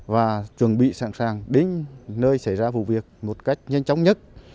và chuẩn bị sẵn sàng đến nơi xảy ra vụ việc một cách nhanh chóng nhất